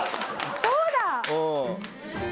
そうだ。